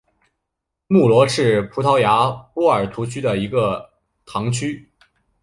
穆罗是葡萄牙波尔图区的一个堂区。